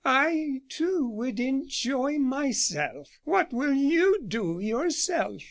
I, too, would enjoy myself. What will you do, yourself?